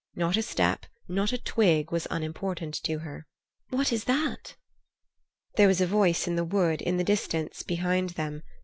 Not a step, not a twig, was unimportant to her. "What is that?" There was a voice in the wood, in the distance behind them.